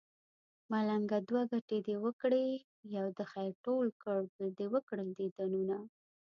ملنګه دوه ګټې دې وکړې يو دې خير ټول کړو بل دې وکړل ديدنونه